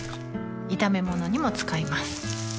炒め物にも使います